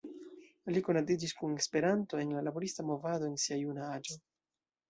Li konatiĝis kun Esperanto en la laborista movado en sia juna aĝo.